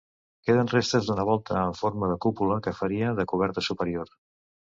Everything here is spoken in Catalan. Queden restes d'una volta amb forma de cúpula, que faria de coberta superior.